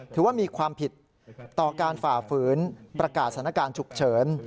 ถือว่ามีความผิดต่อการฝ่าฝืนประกาศสถานการณ์ฉุกเฉิน